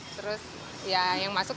terus ya yang masuk